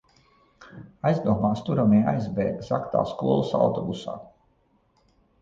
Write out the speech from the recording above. Aizdomās turamie aizbēga zagtā skolas autobusā.